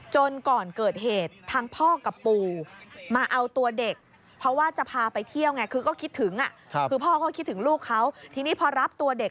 จนก่อนเกิดเหตุทางพ่อกับปู